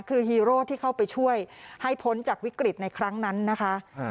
คือฮีโร่ที่เข้าไปช่วยให้พ้นจากวิกฤตในครั้งนั้นนะคะ